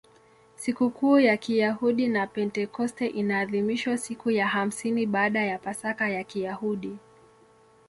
Sikukuu ya Kiyahudi ya Pentekoste inaadhimishwa siku ya hamsini baada ya Pasaka ya Kiyahudi.